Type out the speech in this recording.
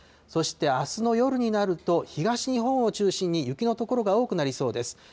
そしてあすの夜になると、東日本を中心に雪の所が多くなりそうです。